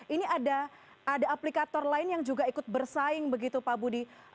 ini ada aplikator lain yang juga ikut bersaing begitu pak budi